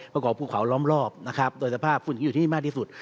ประกอบภูเขาร้อมรอบโดยสภาพฝุ่นอยู่ที่นี่มากที่สุด